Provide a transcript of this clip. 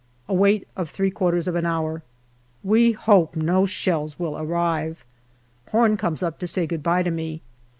A wait of three quarters of an hour. We hope no shells will arrive. Horn comes up to say good bye to me.